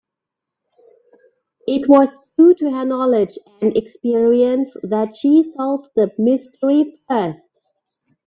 It was due to her knowledge and experience that she solved the mystery first.